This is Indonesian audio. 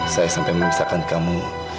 saya sampai memisahkan kamu